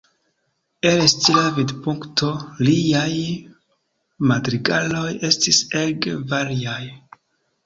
El stila vidpunkto liaj madrigaloj estis ege variaj.